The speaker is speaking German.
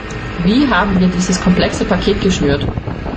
Wie haben wir dieses komplexe Paket geschnürt?